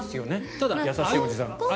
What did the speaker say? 優しいおじさん。